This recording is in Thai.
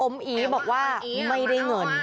อีบอกว่าไม่ได้เงิน